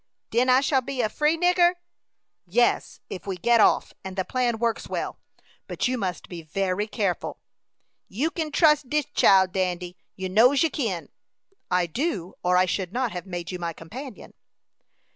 "Den I shall be a free nigger?" "Yes, if we get off, and the plan works well. But you must be very careful." "You kin trust dis chile, Dandy. You knows you kin." "I do, or I should not have made you my companion."